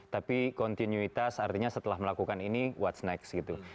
tapi kontinuitas artinya setelah melakukan ini what's next gitu